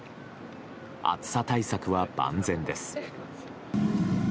暑さ対策は万全です。